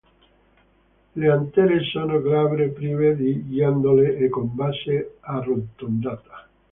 Le antere sono glabre, prive di ghiandole e con base arrotondata.